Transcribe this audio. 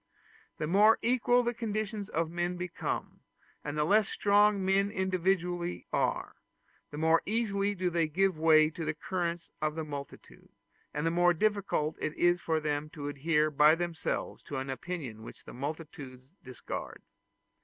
The more equal the conditions of men become, and the less strong men individually are, the more easily do they give way to the current of the multitude, and the more difficult is it for them to adhere by themselves to an opinion which the multitude discard.